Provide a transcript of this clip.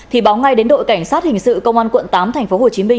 thì báo ngay đến đội cảnh sát hình sự công an quận tám tp hcm